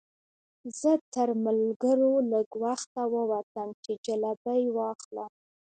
زه تر ملګرو لږ وخته ووتم چې جلبۍ واخلم.